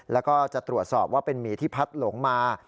แล้วก็จะตรวจสอบว่าเป็นหมีที่พัดหลงมา